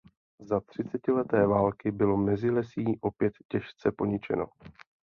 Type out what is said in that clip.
Za třicetileté války bylo Mezilesí opět těžce poničeno.